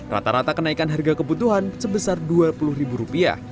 rata rata kenaikan harga kebutuhan sebesar rp dua puluh